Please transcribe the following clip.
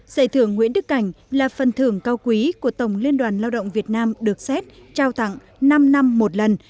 giải thưởng nguyễn đức cảnh là phần thưởng cao quý của tổng liên đoàn lao động việt nam được xét trao tặng năm năm một lần